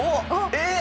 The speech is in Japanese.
えっ！？